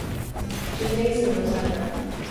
Gymnasium of Zagreb.